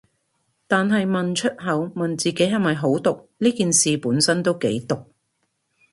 但係問出口，問自己係咪好毒，呢件事本身都幾毒